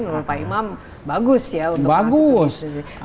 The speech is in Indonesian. memiliki pak imam bagus ya